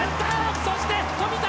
そして富田